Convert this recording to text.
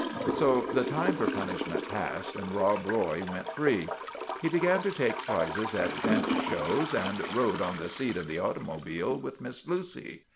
' So the time for punishment passed, and Rob Roy went free. He began to take prizes at bench shows, and rode on the seat of the automobile with Miss Lucy.